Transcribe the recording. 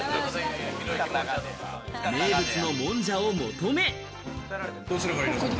名物のもんじゃを求め。